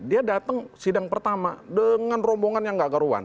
dia datang sidang pertama dengan rombongan yang gak keruan